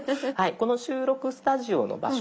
この収録スタジオの場所